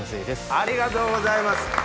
ありがとうございます。